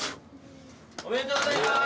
おめでとうございます。